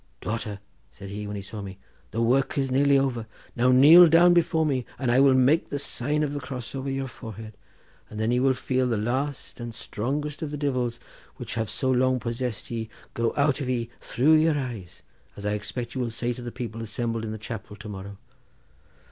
'Daughter,' said he when he saw me, 'the work is nearly over. Now kneel down before me, and I will make the sign of the cross over your forehead, and then you will feel the last and strongest of the divils, which have so long possessed ye, go out of ye through your eyes, as I expect you will say to the people assembled in the chapel to morrow.